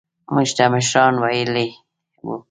موږ ته مشرانو ويلي وو.